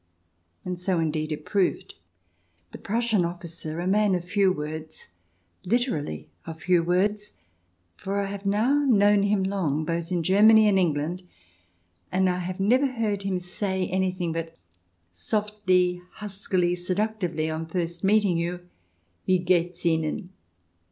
And so, indeed, it proved. The Prussian officer, a man of few words — literally of few words, for I have now known him long, both in Germany and England, and I have never heard 26 THE DESIRABLE ALIEN [ch. ii him say anything but softly, huskily, seductive.'yi on first meeting you, " Wie geht's Ihnen